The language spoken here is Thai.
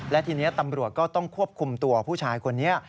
และทีนี้ตำรวจก็ต้องควบคุมตัวผู้ชายคนนี้